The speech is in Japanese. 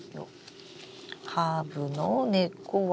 ハーブの根っこは？